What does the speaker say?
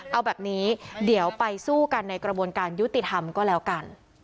เอาแบบนี้เดี๋ยวไปสู้กันในกระบวนการยุติธรรมก็แล้วกัน